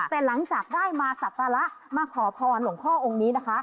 แต่หลังจากได้มาสักการะมาขอพรหลวงพ่อองค์นี้นะคะ